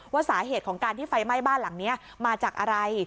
ว่าสาเหตุของการที่ไฟไหม้บ้านหลังนี้มาจากอะไร